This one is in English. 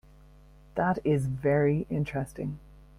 That is very interesting.